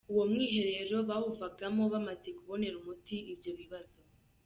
Uwo mwiherero bawuvagamo bamaze kubonera umuti ibyo bibazo.